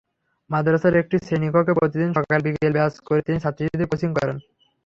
মাদ্রাসার একটি শ্রেণিকক্ষে প্রতিদিন সকাল-বিকেলে ব্যাচ করে তিনি ছাত্রীদের কোচিং করান।